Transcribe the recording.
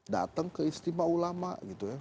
datang ke istimewa ulama gitu ya